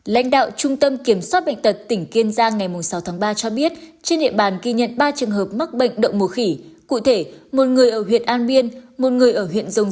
hãy đăng ký kênh để ủng hộ kênh của chúng mình nhé